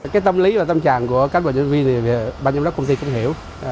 cái tâm lý và tâm trạng của các quản lý viên thì bác giám đốc công ty cũng hiểu